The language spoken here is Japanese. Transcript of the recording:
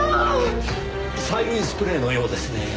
催涙スプレーのようですねぇ。